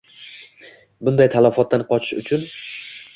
Bunday talofatdan qochish uchun